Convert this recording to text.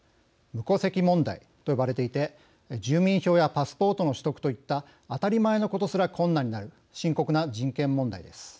無戸籍問題と呼ばれていて住民票やパスポートの取得といった当たり前のことすら困難になる深刻な人権問題です。